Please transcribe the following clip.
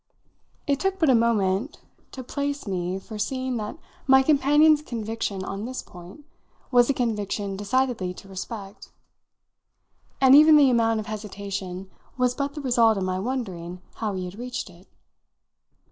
It took but a moment to place me for seeing that my companion's conviction on this point was a conviction decidedly to respect; and even that amount of hesitation was but the result of my wondering how he had reached it.